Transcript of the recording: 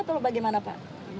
atau bagaimana pak